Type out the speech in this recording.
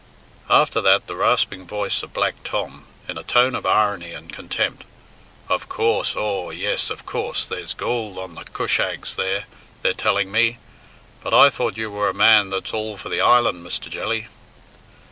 After that the rasping voice of Black Tom, in a tone of irony and contempt: "Of coorse, aw, yes, of coorse, there's goold on the cushags there, they're telling me. But I thought you were a man that's all for the island, Mr. Jelly."